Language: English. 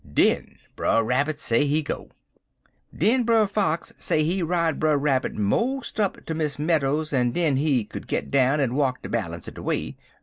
Den Brer Rabbit say he go. Den Brer Fox say he ride Brer Rabbit mos' up ter Miss Meadows's, en den he could git down en walk de balance er de way.